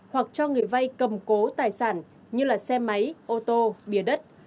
hoặc cho người vai cầm cố tài sản như là xe máy ô tô bìa đất